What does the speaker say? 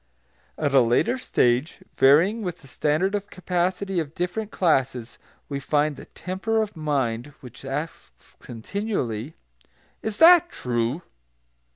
At a later stage, varying with the standard of capacity of different classes, we find the temper of mind which asks continually, "Is that true?"